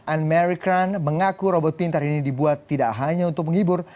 anne marie kran mengaku robot pintar ini dibuat tidak hanya untuk menghibur